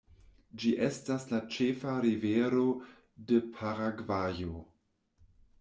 Ĝi estas la ĉefa rivero de Paragvajo.